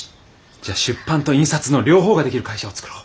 じゃあ出版と印刷の両方ができる会社を作ろう。